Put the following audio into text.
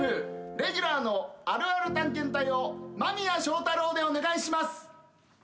レギュラーの「あるある探検隊」を間宮祥太朗でお願いします！